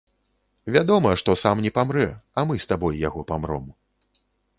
Вядома, што сам не памрэ, а мы з табой яго памром.